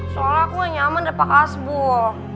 soalnya aku nggak nyaman dengan pak hasbul